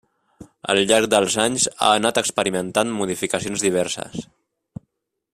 Al llarg dels anys ha anat experimentant modificacions diverses.